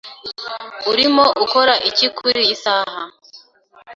Urimo ukora iki kuriyi saha?